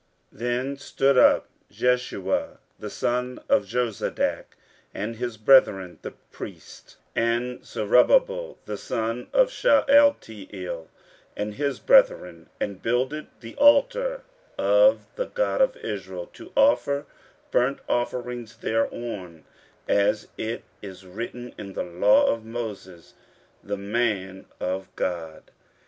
15:003:002 Then stood up Jeshua the son of Jozadak, and his brethren the priests, and Zerubbabel the son of Shealtiel, and his brethren, and builded the altar of the God of Israel, to offer burnt offerings thereon, as it is written in the law of Moses the man of God.